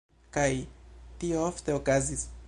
Kaj... tio ofte okazis.